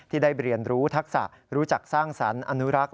ได้เรียนรู้ทักษะรู้จักสร้างสรรค์อนุรักษ์